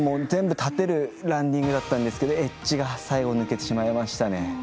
全部立てるランディングだったんですけどエッジが最後抜けてしまいましたね。